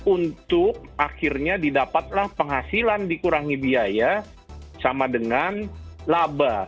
untuk akhirnya didapatlah penghasilan dikurangi biaya sama dengan laba